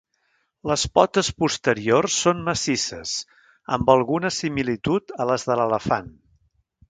Les potes posteriors són massisses, amb alguna similitud a les de l'elefant.